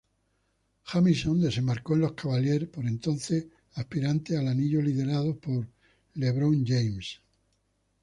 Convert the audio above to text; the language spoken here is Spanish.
Jamison desembarcó en los Cavaliers, por entonces aspirantes al anillo liderados por LeBron James.